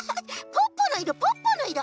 ポッポのいろポッポのいろ！